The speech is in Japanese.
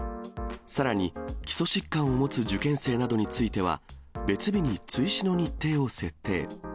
さらに、基礎疾患を持つ受験生などについては、別日に追試の日程を設定。